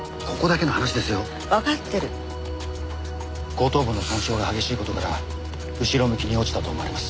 後頭部の損傷が激しい事から後ろ向きに落ちたと思われます。